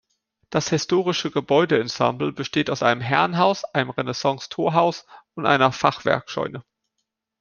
Das historische Gebäude-Ensemble besteht aus einem Herrenhaus, einem Renaissance-Torhaus und einer Fachwerkscheune.